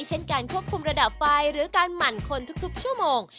เช่นการควบคุมระดับไฟหรือการหมั่นคนทุกชั่วโมง